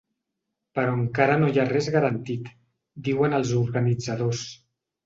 Però encara no hi ha res garantit, diuen els organitzadors.